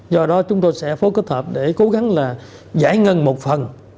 do đó chúng tôi sẽ phối kết hợp để cố gắng là giải ngân một phần